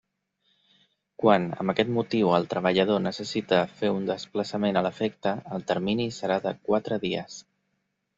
Quan amb aquest motiu el treballador necessite fer un desplaçament a l'efecte, el termini serà de quatre dies.